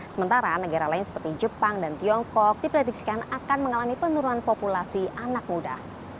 sementara negara lain seperti jepang dan tiongkok diprediksikan akan mengalami penurunan populasi anak muda